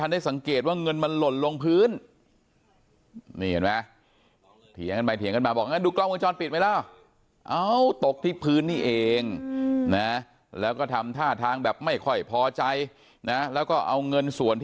หรือคุณอาจจะทำตกจริงก็ได้